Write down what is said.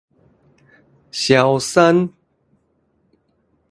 蕭山